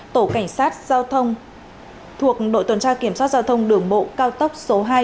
tổ cảnh sát giao thông thuộc đội tuần tra kiểm soát giao thông đường bộ cao tốc số hai